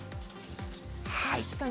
確かに。